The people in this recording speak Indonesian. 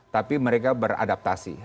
tapi mereka beradaptasi